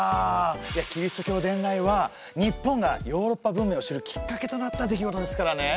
いやキリスト教伝来は日本がヨーロッパ文明を知るきっかけとなった出来事ですからね。